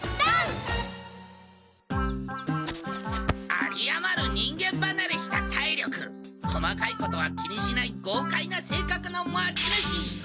有りあまる人間ばなれした体力細かいことは気にしないごうかいなせいかくの持ち主。